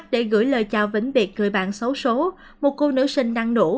để gửi lời chào vĩnh biệt người bạn xấu xố một cô nữ sinh năng nũ